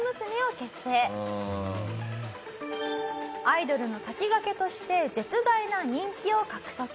アイドルの先駆けとして絶大な人気を獲得。